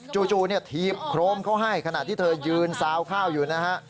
จู่ถีบโครมเขาให้ขณะที่เธอยืนซาวข้าวอยู่นะฮะ